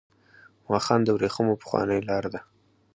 واخان د ورېښمو پخوانۍ لار ده .